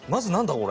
これ。